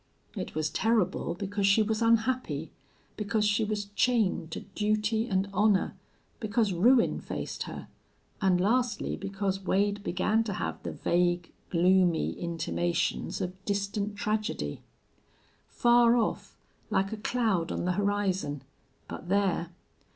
It was terrible because she was unhappy, because she was chained to duty and honor, because ruin faced her, and lastly because Wade began to have the vague, gloomy intimations of distant tragedy. Far off, like a cloud on the horizon, but there!